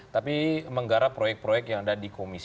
tapi menggarap proyek proyek yang ada di komisi